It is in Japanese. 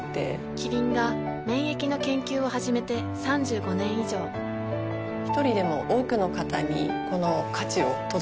キリンが免疫の研究を始めて３５年以上一人でも多くの方にこの価値を届けていきたいと思っています。